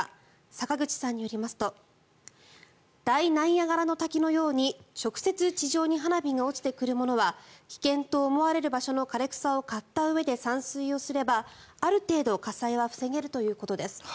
坂口さんによりますと大ナイアガラの滝のように直接、地上に花火が落ちてくるものは危険と思われる場所の枯れ草を刈ったうえで散水をすればある程度火災は防げるということです。